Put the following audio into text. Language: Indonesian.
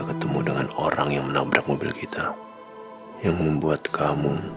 ketemu dengan orang yang menabrak mobil kita yang membuat kamu